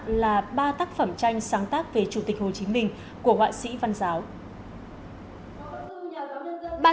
bảo tàng hồ chí minh là ba tác phẩm tranh sáng tác về chủ tịch hồ chí minh của họa sĩ văn giáo